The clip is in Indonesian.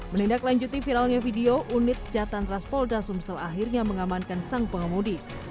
melindak lanjuti viralnya video unit jatah transpol dasumsel akhirnya mengamankan sang pengemudi